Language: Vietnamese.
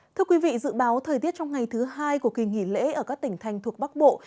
thưa quý vị dự báo thời tiết trong ngày thứ hai của kỳ nghỉ lễ ở các tỉnh thành thuộc bắc bộ